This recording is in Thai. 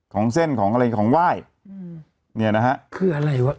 ของเส้นของอะไรของไหว้อืมเนี่ยนะฮะคืออะไรวะ